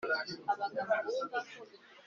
ubumenyi nubumenyi nakiriye muri wewe,